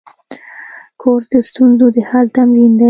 کورس د ستونزو د حل تمرین دی.